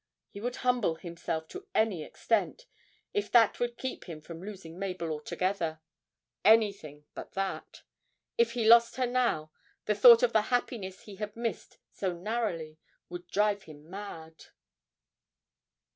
He would humble himself to any extent, if that would keep him from losing Mabel altogether anything but that. If he lost her now, the thought of the happiness he had missed so narrowly would drive him mad.